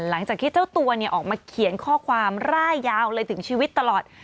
หลังจากที่เจ้าตัวออกมาเขียนข้อความร่ายยาวเลยถึงชีวิตตลอด